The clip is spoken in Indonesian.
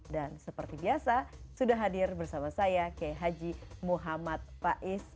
dan seperti biasa sudah hadir bersama saya kehaji muhammad faiz